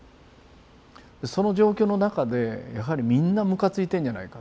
その状況の中でやはりみんなムカついてんじゃないか。